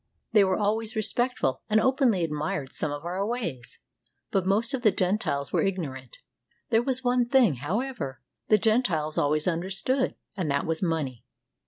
They were always respectful, and openly admired some of our ways. But most of the Gentiles were ignorant. There was one thing, however, the Gentiles always understood, and that was money.